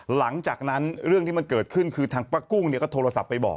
หลังจากนั้นเรื่องที่มันเกิดขึ้นคือทางป้ากุ้งเนี่ยก็โทรศัพท์ไปบอก